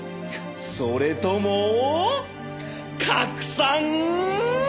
それとも拡散希望！？